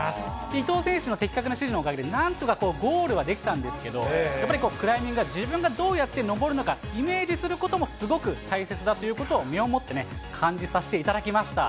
伊藤選手の的確な指示のおかげでなんとかゴールはできたんですけど、やっぱりこう、クライミングは自分がどうやって登るのか、イメージすることもすごく大切だということを、身をもって感じさせていただきました。